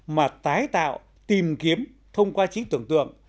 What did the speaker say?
mà tái tạo tìm kiếm thông qua trí tưởng tượng